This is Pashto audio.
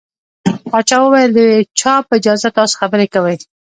پاچا وويل د چا په اجازه تاسو خبرې کوٸ.